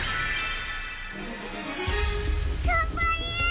がんばえ！